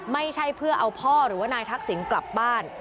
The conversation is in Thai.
ไม่ใช่เพื่อเอาพ่อหรือว่านายทักษิณกลับบ้าน